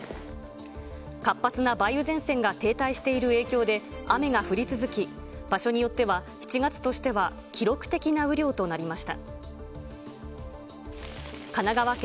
活発な梅雨前線が停滞している影響で、雨が降り続き、場所によっては、７月としては記録的な雨量となりました。